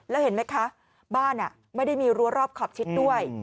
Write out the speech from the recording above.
แล้วเห็นไหมคะบ้านไม่ได้มีรั้วรอบขอบชิดด้วย